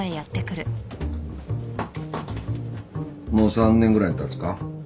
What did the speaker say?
もう３年ぐらいたつか？